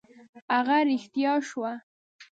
هغه رښتیا شوه.